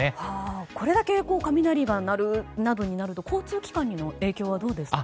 これだけ雷が鳴るとなると交通機関への影響はどうですか？